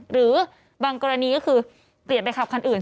หรือบางกรณีก็คือเปลี่ยนไปขับคันอื่น